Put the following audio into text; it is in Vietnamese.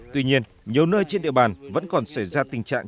tuy nhiên nhiều nơi trên địa bàn vẫn còn xảy ra tình trạng